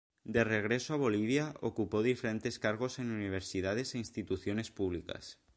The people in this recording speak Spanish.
De regreso a Bolivia ocupó diferentes cargos en universidades e instituciones públicas.